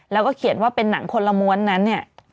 แล้วก็เขียนว่าเป็นหนังคนละม้วนนั้นเนี่ย